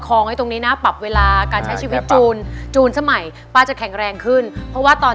ไว้ตรงนี้นะปรับเวลาการใช้ชีวิตจูนจูนสมัยป้าจะแข็งแรงขึ้นเพราะว่าตอน